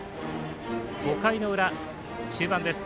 ５回の裏、中盤です。